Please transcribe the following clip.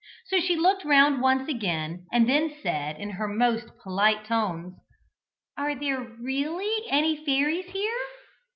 So she looked round once again, and then said, in her most polite tones: "Are there really any fairies here?"